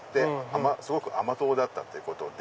すごく甘党だったってことで。